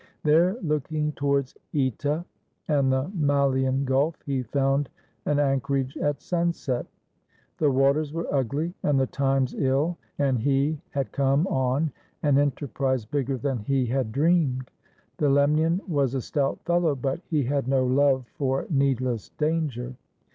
There, looking towards (Eta and the Malian Gulf, he found an anchorage at sunset. The waters were ugly and the times ill, and he had come on an enterprise bigger than he had dreamed. The Lemnian was a stout fellow, but he had no love for needless danger.